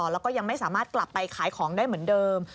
แล้วก็ยังไม่สามารถกลับไปขายของได้เหมือนเดิม